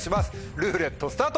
ルーレットスタート！